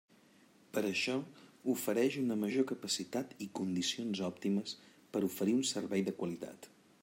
Per això, ofereix una major capacitat i condicions òptimes per oferir un servei de qualitat.